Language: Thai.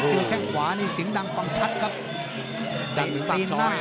โอโหแข้งขวานี่เสียงดังต่อมากทัศนะครับ